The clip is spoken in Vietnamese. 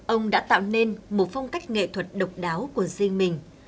ông đã tạo nên một phong cách nghệ thuật độc đáo của riêng mình